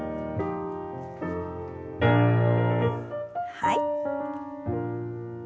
はい。